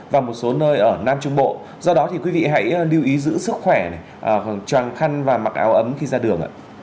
và một số nơi ở nam trung bộ do đó thì quý vị hãy lưu ý giữ sức khỏe tròn khăn và mặc áo ấm khi ra đường ạ